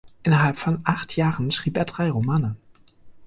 Innerhalb von acht Jahren schrieb er drei Romane.